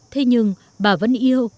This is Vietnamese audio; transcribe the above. thế nhưng bà vẫn yêu